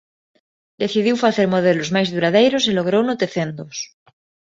Decidiu facer modelos máis duradeiros e logrouno tecéndoos.